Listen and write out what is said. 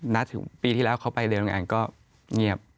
ถึงปีที่แล้วเขาไปเรียนงานก็เงียบ